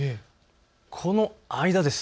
この間です。